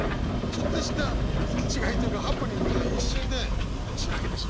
ちょっとした行き違いというかハプニングで一瞬で白けてしまう。